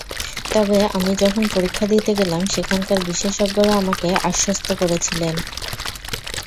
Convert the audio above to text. তবে আমি যখন পরীক্ষা দিতে গেলাম, সেখানকার বিশেষজ্ঞরা আমাকে আশ্বস্ত করেছিলেন।